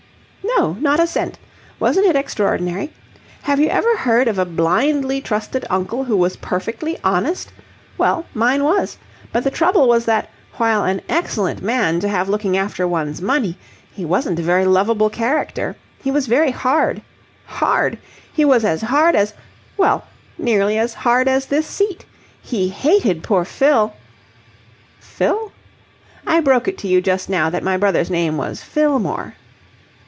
"No, not a cent. Wasn't it extraordinary! Have you ever heard of a blindly trusted uncle who was perfectly honest? Well, mine was. But the trouble was that, while an excellent man to have looking after one's money, he wasn't a very lovable character. He was very hard. Hard! He was as hard as well, nearly as hard as this seat. He hated poor Fill..." "Phil?" "I broke it to you just now that my brother's name was Fillmore."